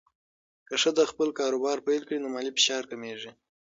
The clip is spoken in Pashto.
که ښځه خپل کاروبار پیل کړي، نو مالي فشار کمېږي.